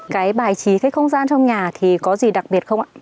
cái bài trí cái không gian trong nhà thì có gì đặc biệt không ạ